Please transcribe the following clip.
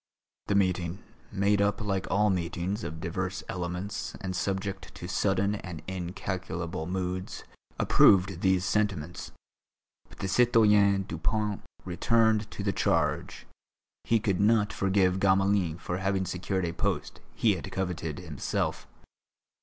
The meeting, made up like all meetings of divers elements and subject to sudden and incalculable moods, approved these sentiments. But the citoyen Dupont returned to the charge; he could not forgive Gamelin for having secured a post he had coveted himself.